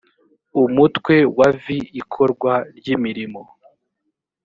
umutwe wa vi ikorwa ry imirimo